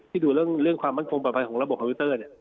ที่ดูเรื่องความมั่นควงปลอดภัยของระบบพาวิวเตอร์